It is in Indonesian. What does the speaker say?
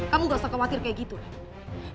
kamu nggak usah khawatir kayak gitu ren